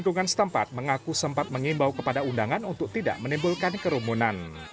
kita sudah berubah juga kan sebagiannya